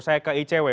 saya ke icw